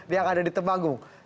yang ada di tembagung